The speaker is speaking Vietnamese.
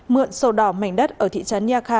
mượn sổ đỏ mảnh đất ở thị trấn ia kha